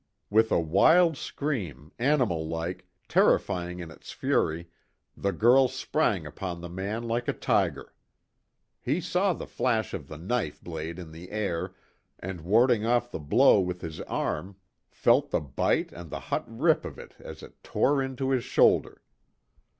With a wild scream, animal like, terrifying in its fury, the girl sprang upon the man like a tiger. He saw the flash of the knife blade in the air, and warding off the blow with his arm, felt the bite and the hot rip of it as it tore into his shoulder.